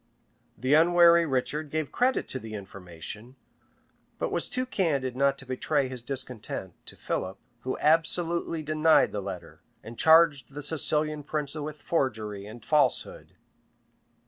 The unwary Richard gave credit to the information; but was too candid not to betray his discontent to Philip, who absolutely denied the letter, and charged the Sicilian prince with forgery and falsehood.